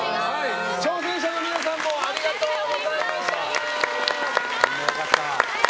挑戦者の皆さんもありがとうございました！